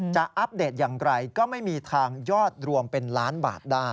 อัปเดตอย่างไรก็ไม่มีทางยอดรวมเป็นล้านบาทได้